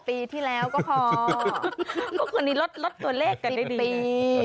๑๐ปีที่แล้วก็คอก็คนนี้ลดตัวเลขกันได้ดี